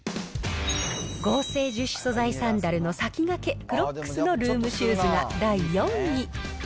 合成樹脂素材サンダルの先駆け、クロックスのルームシューズが第４位。